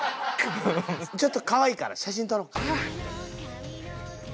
ちょっとかわいいから写真撮ろうか。